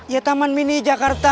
ya taman mini jakarta